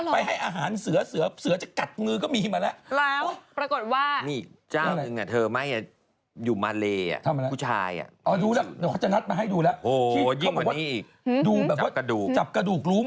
ไปให้อาหารเสือเสือจะกัดมือก็มีมาแล้ว